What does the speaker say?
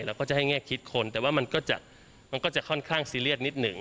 เราก็จะให้แง่คิดคนแต่ว่ามันก็จะมันก็จะค่อนข้างซีเรียสนิดหนึ่ง